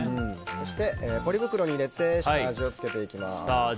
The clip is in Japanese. そしてポリ袋にいれて下味を付けていきます。